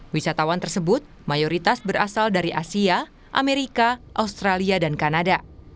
wisatawan tersebut mayoritas berasal dari asia amerika australia dan kanada